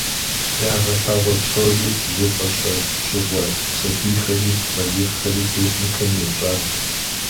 Ягъэлъагъуэ псори зыфӏэщӏэщыгъуэ сабийхэри балигъхэри техникэм епщӏат.